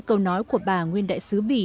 câu nói của bà nguyên đại sứ bỉ